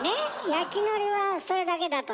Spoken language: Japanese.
焼きのりはそれだけだとね。